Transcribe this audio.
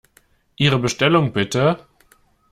Ihre Bestellung, bitte!